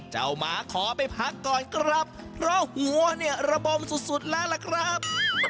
หมาขอไปพักก่อนครับเพราะหัวเนี่ยระบมสุดสุดแล้วล่ะครับ